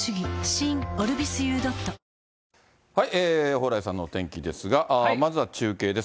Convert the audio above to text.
蓬莱さんのお天気ですが、まずは中継です。